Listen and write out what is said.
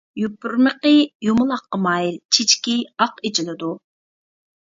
يوپۇرمىقى يۇمىلاققا مايىل، چېچىكى ئاق ئېچىلىدۇ.